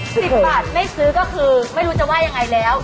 สิบบาทไม่ซื้อก็คือไม่รู้จะว่ายังไงแล้ว